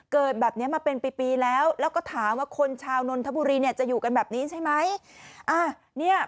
เกิดแบบนี้มาเป็นปีแล้วแล้วก็ถามว่าคนชาวนนทบุรีเนี่ยจะอยู่กันแบบนี้ใช่ไหม